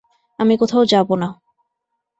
আমি কোথাও যাবো না।